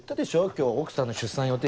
今日奥さんの出産予定日だって。